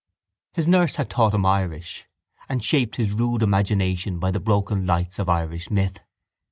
His nurse had taught him Irish and shaped his rude imagination by the broken lights of Irish myth.